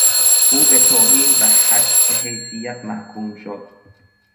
او به توهین و هتک حیثیت محکوم شد